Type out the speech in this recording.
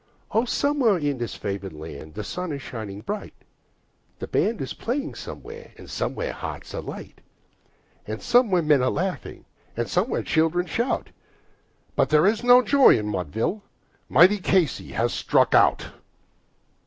Oh, somewhere in this favored land the sun is shining bright; The band is playing somewhere, and somewhere hearts are light, And somewhere men are laughing, and somewhere children shout, But there is no joy in Mudville mighty Casey has struck out!